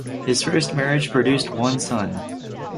His first marriage produced one son.